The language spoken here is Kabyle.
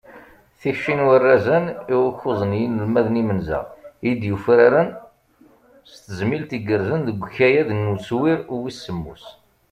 Tikci n warrazen i ukuẓ n yinelmaden imenza, i d-yufraren s tezmilt igerrzen deg ukayad n uswir wis semmus.